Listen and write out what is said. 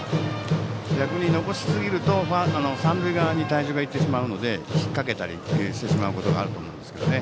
逆に残しすぎると三塁側に体重が行ってしまうので引っ掛けたりしてしまうことがあると思うんですけどね。